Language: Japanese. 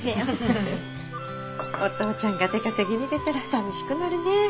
お父ちゃんが出稼ぎに出たらさみしくなるねぇ。